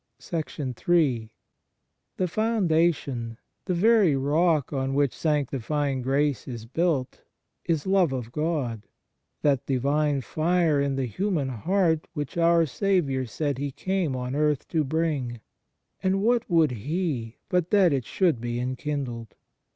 1 Phil. iv. 7. ON SOME PREROGATIVES OF GRACE 111 THE foundation, the very rock, on which sanctifying grace is built is love of God, that Divine fire in the human heart which our Saviour said He came on earth to bring; and what would He but that it should be enkindled